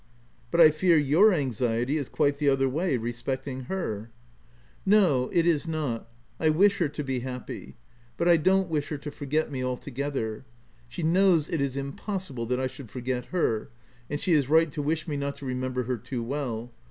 " But I fear your anxiety is quite the other way, respecting her. 5 ' OF WILDFELL HALL. 175 " No, it is not : I wish her to be happy ; but I don't wish her to forget me altogether. She knows it is impossible that I should forget her ; and she is right to wish me not to remember her too well.